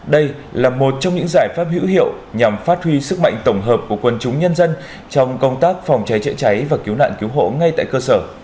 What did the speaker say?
đây là một trong những giải pháp hữu hiệu nhằm phát huy sức mạnh tổng hợp của quân chúng nhân dân trong công tác phòng cháy chữa cháy và cứu nạn cứu hộ ngay tại cơ sở